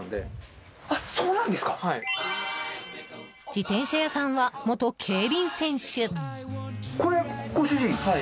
自転車屋さんは、元競輪選手。